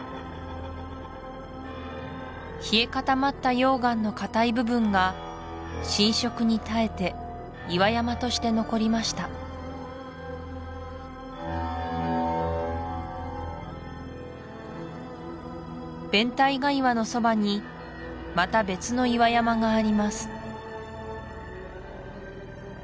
冷え固まった溶岩の硬い部分が浸食に耐えて岩山として残りましたベンタイガ岩のそばにまた別の岩山があります